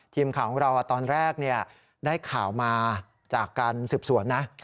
ทีมข่าวของเราตอนแรกได้ข่าวมาจากการสืบสวนนะ